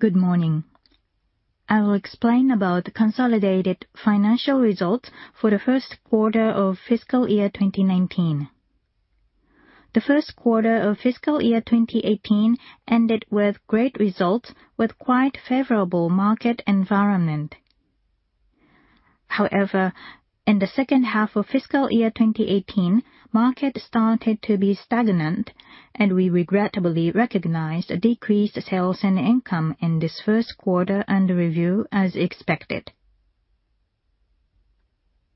Good morning. I will explain about the consolidated financial results for the first quarter of fiscal year 2019. The first quarter of fiscal year 2018 ended with great results with quite favorable market environment. However, in the second half of fiscal year 2018, market started to be stagnant, and we regrettably recognized decreased sales and income in this first quarter under review, as expected.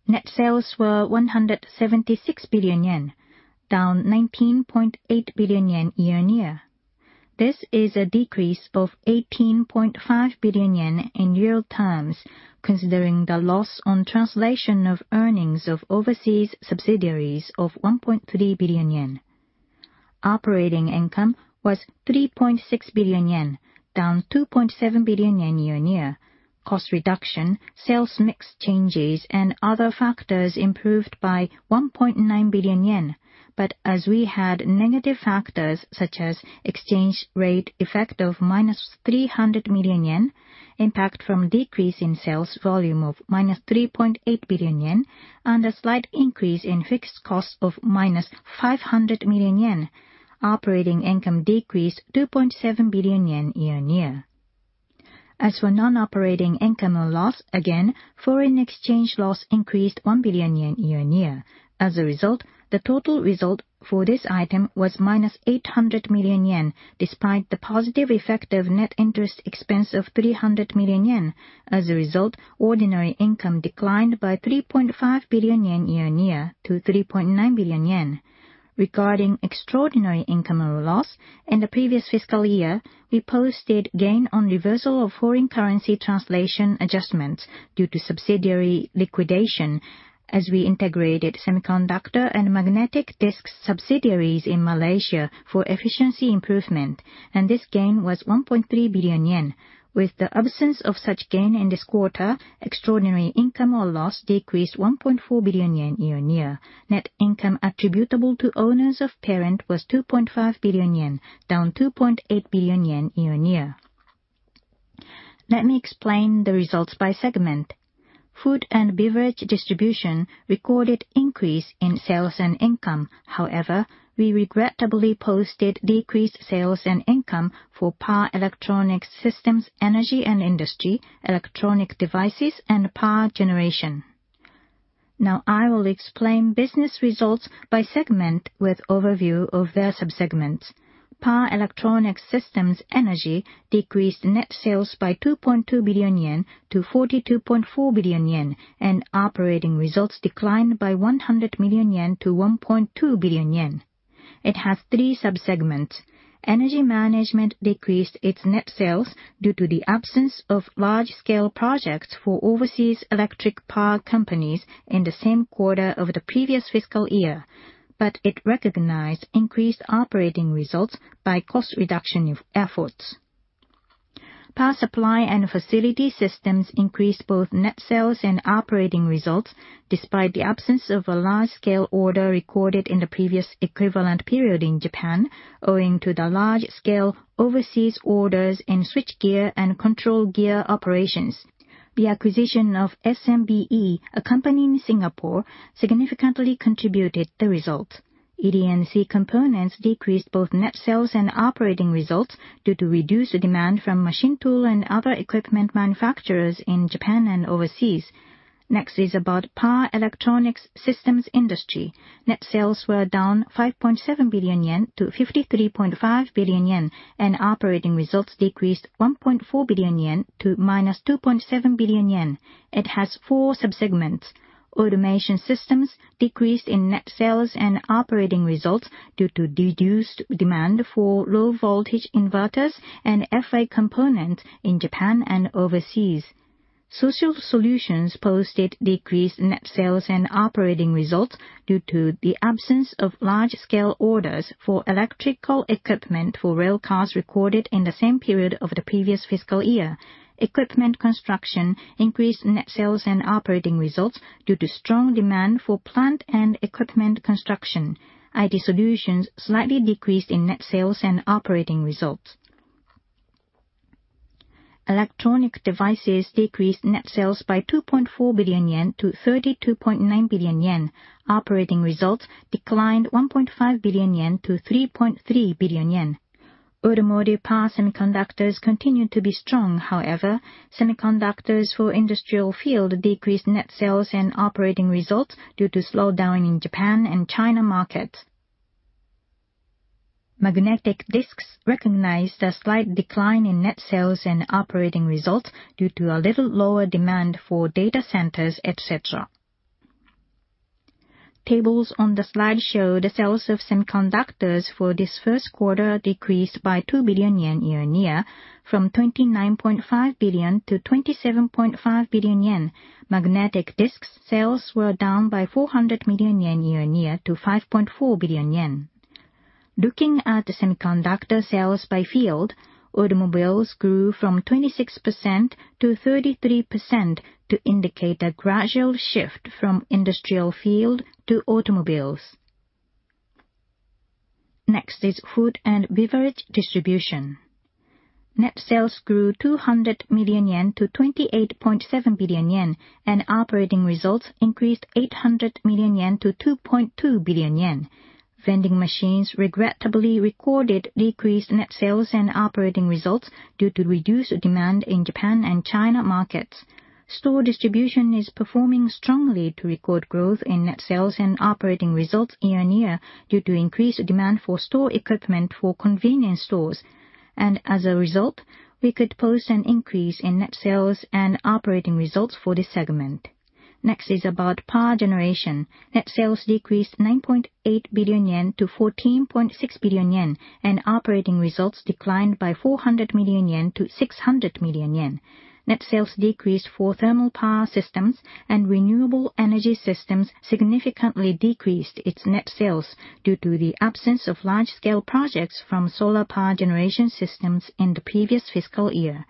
Net sales were 176 billion yen, down 19.8 billion yen year-on-year. This is a decrease of 18.5 billion yen in yield terms, considering the loss on translation of earnings of overseas subsidiaries of 1.3 billion yen. Operating income was 3.6 billion yen, down 2.7 billion yen year-on-year. Cost reduction, sales mix changes, and other factors improved by 1.9 billion yen. As we had negative factors such as exchange rate effect of minus 300 million yen, impact from decrease in sales volume of minus 3.8 billion yen, and a slight increase in fixed costs of minus 500 million yen, operating income decreased 2.7 billion yen year-on-year. As for non-operating income or loss, again, foreign exchange loss increased 1 billion yen year-on-year. As a result, the total result for this item was minus 800 million yen, despite the positive effect of net interest expense of 300 million yen. As a result, ordinary income declined by 3.5 billion yen year-on-year to 3.9 billion yen. Regarding extraordinary income or loss, in the previous fiscal year, we posted gain on reversal of foreign currency translation adjustments due to subsidiary liquidation as we integrated semiconductors and magnetic disks subsidiaries in Malaysia for efficiency improvement, and this gain was 1.3 billion yen. With the absence of such gain in this quarter, extraordinary income or loss decreased 1.4 billion yen year-on-year. Net income attributable to owners of parent was 2.5 billion yen, down 2.8 billion yen year-on-year. Let me explain the results by segment. Food and Beverage Distribution recorded increase in sales and income. However, we regrettably posted decreased sales and income for Power Electronics Systems Energy and Industry, Electronic Devices, and Power Generation. Now I will explain business results by segment with overview of their subsegments. Power Electronics Systems Energy decreased net sales by 2.2 billion yen to 42.4 billion yen, and operating results declined by 100 million yen to 1.2 billion yen. It has three subsegments. Energy Management decreased its net sales due to the absence of large-scale projects for overseas electric power companies in the same quarter of the previous fiscal year, but it recognized increased operating results by cost reduction efforts. Power supply and facility systems increased both net sales and operating results despite the absence of a large-scale order recorded in the previous equivalent period in Japan, owing to the large-scale overseas orders in switchgear and controlgear operations. The acquisition of SMBE, a company in Singapore, significantly contributed the result. ED&C components decreased both net sales and operating results due to reduced demand from machine tool and other equipment manufacturers in Japan and overseas. Next is about Power Electronics Systems Industry. Net sales were down 5.7 billion yen to 53.5 billion yen, and operating results decreased 1.4 billion yen to minus 2.7 billion yen. It has four subsegments. Automation systems decreased in net sales and operating results due to reduced demand for low-voltage inverters and FA components in Japan and overseas. Social solutions posted decreased net sales and operating results due to the absence of large-scale orders for electrical equipment for railcars recorded in the same period of the previous fiscal year. Equipment construction increased net sales and operating results due to strong demand for plant and equipment construction. IT solutions slightly decreased in net sales and operating results. Electronic devices decreased net sales by 2.4 billion yen to 32.9 billion yen. Operating results declined 1.5 billion yen to 3.3 billion yen. Automotive power semiconductors continue to be strong. Semiconductors for industrial field decreased net sales and operating results due to slowdown in Japan and China market. Magnetic disks recognized a slight decline in net sales and operating results due to a little lower demand for data centers, et cetera. Tables on the slide show the sales of semiconductors for this first quarter decreased by 2 billion yen year-on-year from 29.5 billion to 27.5 billion yen. Magnetic disks sales were down by 400 million yen year-on-year to 5.4 billion yen. Looking at semiconductor sales by field, automobiles grew from 26% to 33% to indicate a gradual shift from industrial field to automobiles. Next is Food and Beverage Distribution. Net sales grew 200 million yen to 28.7 billion yen, and operating results increased 800 million yen to 2.2 billion yen. Vending machines regrettably recorded decreased net sales and operating results due to reduced demand in Japan and China markets. Store distribution is performing strongly to record growth in net sales and operating results year-on-year due to increased demand for store equipment for convenience stores. As a result, we could post an increase in net sales and operating results for this segment. Next is about Power Generation. Net sales decreased 9.8 billion yen to 14.6 billion yen, and operating results declined by 400 million yen to 600 million yen. Net sales decreased for thermal power systems, and renewable energy systems significantly decreased its net sales due to the absence of large-scale projects from solar power generation systems in the previous fiscal year.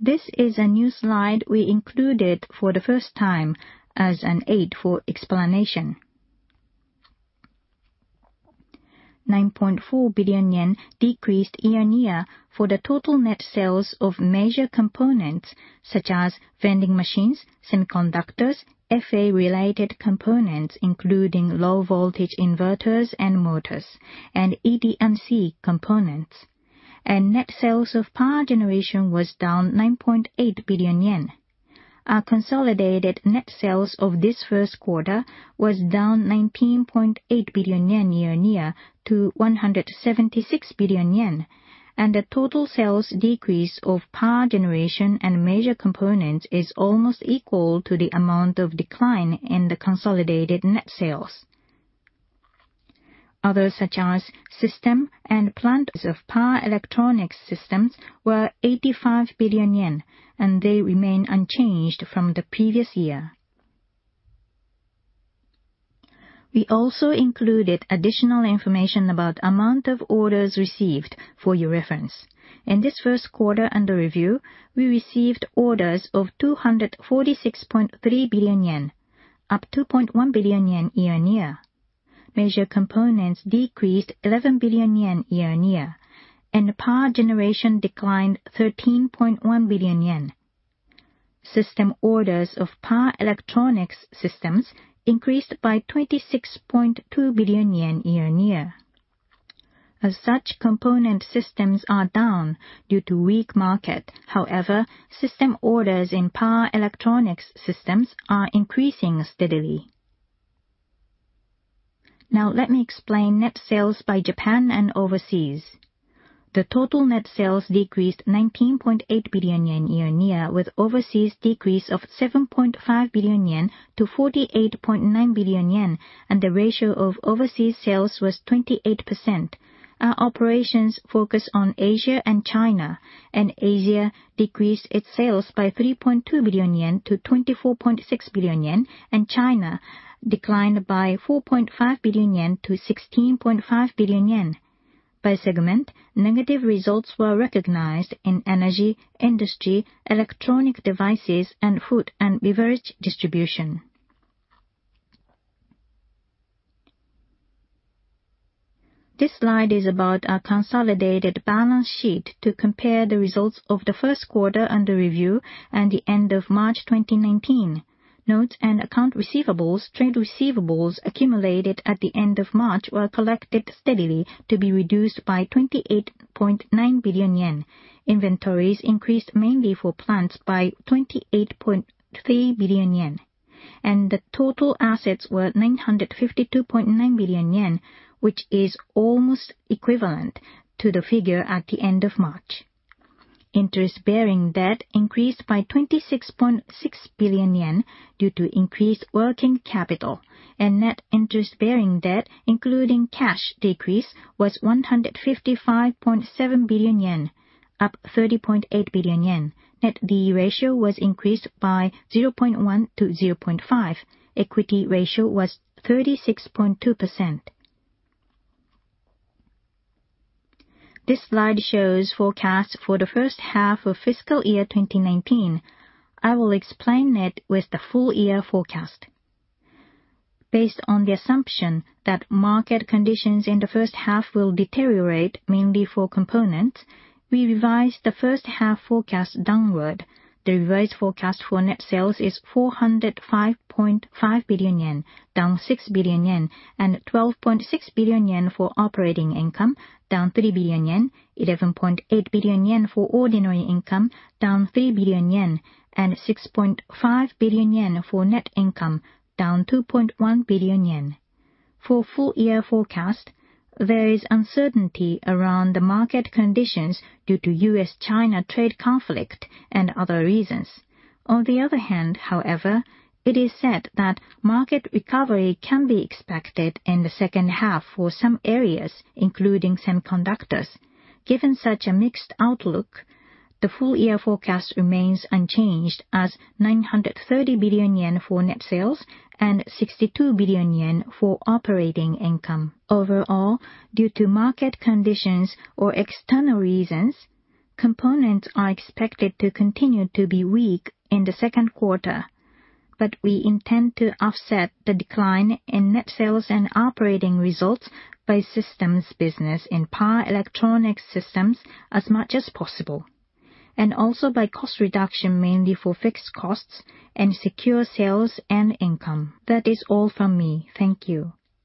This is a new slide we included for the first time as an aid for explanation. 9.4 billion yen decreased year-on-year for the total net sales of major components such as vending machines, semiconductors, FA-related components including low-voltage inverters and motors, and ED&C components. Net sales of power generation was down 9.8 billion yen. Our consolidated net sales of this first quarter was down 19.8 billion yen year-on-year to 176 billion yen, and the total sales decrease of power generation and major components is almost equal to the amount of decline in the consolidated net sales. Others, such as system and plant of Power Electronics Systems were 85 billion yen, they remain unchanged from the previous year. We also included additional information about amount of orders received for your reference. In this first quarter under review, we received orders of 246.3 billion yen, up 2.1 billion yen year-over-year. Major components decreased 11 billion yen year-over-year, Power Generation declined 13.1 billion yen. System orders of Power Electronics Systems increased by 26.2 billion yen year-over-year. Such component systems are down due to weak market, however, system orders in Power Electronics Systems are increasing steadily. Let me explain net sales by Japan and overseas. The total net sales decreased 19.8 billion yen year-over-year, with overseas decrease of 7.5 billion yen to 48.9 billion yen, the ratio of overseas sales was 28%. Our operations focus on Asia and China, and Asia decreased its sales by 3.2 billion yen to 24.6 billion yen, and China declined by 4.5 billion yen to 16.5 billion yen. By segment, negative results were recognized in energy, industry, electronic devices, and food and beverage distribution. This slide is about our consolidated balance sheet to compare the results of the first quarter under review and the end of March 2019. Notes and account receivables, trade receivables accumulated at the end of March were collected steadily to be reduced by 28.9 billion yen. Inventories increased mainly for plants by 28.3 billion yen. The total assets were 952.9 billion yen, which is almost equivalent to the figure at the end of March. Interest-bearing debt increased by 26.6 billion yen due to increased working capital, and net interest-bearing debt, including cash decrease, was 155.7 billion yen, up 30.8 billion yen. Net debt ratio was increased by 0.1 to 0.5. Equity ratio was 36.2%. This slide shows forecasts for the first half of fiscal year 2019. I will explain it with the full year forecast. Based on the assumption that market conditions in the first half will deteriorate mainly for components, we revised the first half forecast downward. The revised forecast for net sales is 405.5 billion yen, down 6 billion yen. 12.6 billion yen for operating income, down 3 billion yen. 11.8 billion yen for ordinary income, down 3 billion yen. 6.5 billion yen for net income, down 2.1 billion yen. For full year forecast, there is uncertainty around the market conditions due to US-China trade conflict and other reasons. On the other hand, however, it is said that market recovery can be expected in the second half for some areas, including semiconductors. Given such a mixed outlook, the full year forecast remains unchanged as 930 billion yen for net sales and 62 billion yen for operating income. Overall, due to market conditions or external reasons, components are expected to continue to be weak in the second quarter. We intend to offset the decline in net sales and operating results by systems business in power electronics systems as much as possible, and also by cost reduction mainly for fixed costs and secure sales and income. That is all from me. Thank you.